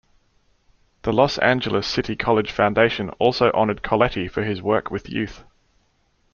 The Los Angeles City College Foundation also honored Colletti for his work with youth.